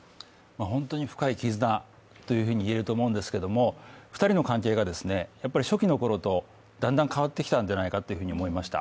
本当に深い絆というふうに言えると思うんですが２人の関係が初期のころとだんだん変わってきたんじゃないかと思いました。